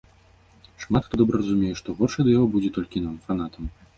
Шмат хто добра разумее, што горш ад яго будзе толькі нам, фанатам.